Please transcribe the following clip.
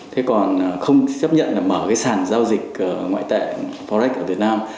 thế còn không chấp nhận là mở cái sản giao dịch ngoại tệ forex ở việt nam